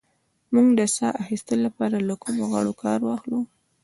موږ د ساه اخیستلو لپاره له کومو غړو کار اخلو